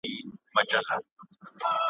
هغه بل پر منبر ستونی وي څیرلی `